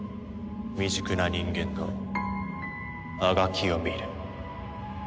未熟な人間のあがきを見る。